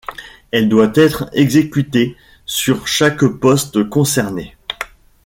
Elle doit être exécutée sur chaque poste concerné.